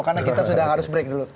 karena kita sudah harus break dulu